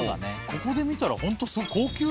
ここで見たらホント。